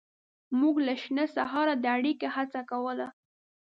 موږ له شنه سهاره د اړیکې هڅه کوله.